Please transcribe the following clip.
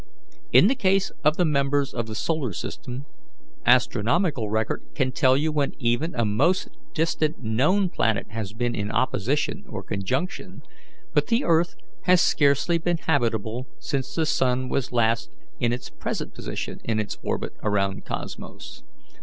In the case of the members of the solar system, astronomical record can tell when even a most distant known planet has been in opposition or conjunction; but the earth has scarcely been habitable since the sun was last in its present position in its orbit around Cosmos.